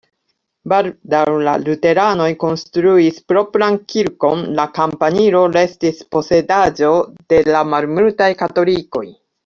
Baldaŭ la luteranoj konstruis propran kirkon, la kampanilo restis posedaĵo de la malmultaj katolikoj.